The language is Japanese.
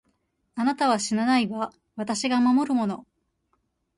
あなたは死なないわ、私が守るもの。